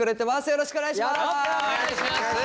よろしくお願いします。